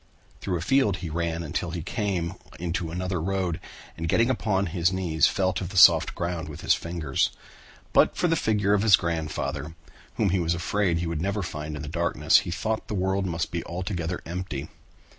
Through a field he ran until he came into another road and getting upon his knees felt of the soft ground with his fingers. But for the figure of his grandfather, whom he was afraid he would never find in the darkness, he thought the world must be altogether empty.